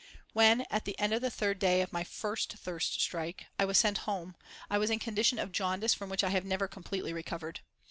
When, at the end of the third day of my first thirst strike, I was sent home I was in a condition of jaundice from which I have never completely recovered.